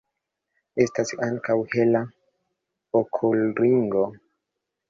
Estas ankaŭ hela okulringo.